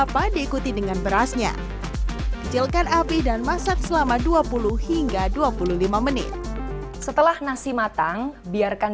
apa diikuti dengan berasnya kecilkan api dan masak selama dua puluh hingga dua puluh lima menit setelah nasi matang biarkan